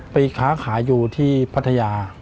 ค้าขายอยู่ที่พัทยา